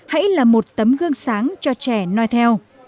hãy là một tấm gương sáng cho trẻ nói theo